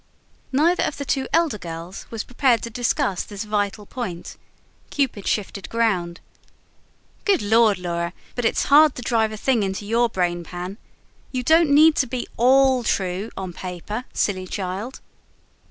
Neither of the two elder girls was prepared to discuss this vital point. Cupid shifted ground. "Good Lord, Laura, but it's hard to drive a thing into YOUR brain pan. You don't need to be ALL true on paper, silly child!"